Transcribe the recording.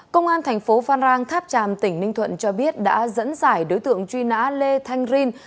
công an thành phố phan rang tháp tràm tỉnh ninh thuận cho biết đã dẫn giải đối tượng truy nã lê thanh rin